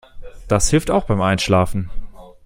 Das hilft auch beim Einschlafen.